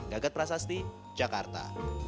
gagat prasasti jakarta